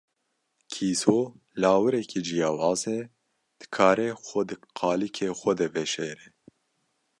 Kîso, lawirekî ciyawaz e, dikare xwe di qalikê xwe de veşêre.